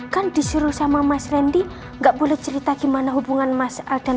kan disuruh sama mas randy gak boleh cerita gimana hubungan mas al dan mbak andinnya